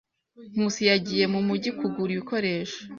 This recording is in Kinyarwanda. Nkusi yagiye mu mujyi kugura ibikoresho.